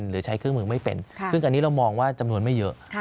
หรือใช้เครื่องมือไม่เป็นซึ่งอันนี้เรามองว่าจำนวนไม่เยอะ